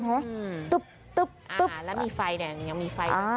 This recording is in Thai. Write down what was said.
แล้วมีไฟยังมีไฟ